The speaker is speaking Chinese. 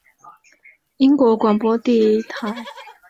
英国广播公司第一台还用热气球升空报导。